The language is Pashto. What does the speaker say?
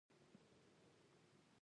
غرمه هغو هوټلونو ته ورسېدو.